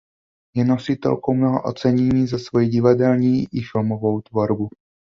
Je nositelkou mnoha ocenění za svoji divadelní i filmovou tvorbu.